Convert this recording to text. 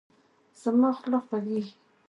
زما خوله خوږیږي